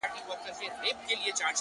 • په ښرا لکه کونډیاني هر ماخستن یو ,